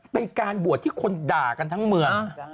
เป็นการบวชที่คนด่ากันทั้งเมือง